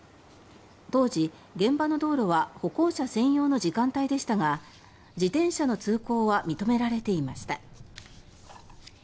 当時、現場の道路は歩行者専用の時間帯でしたが自転車の通行は認められていました。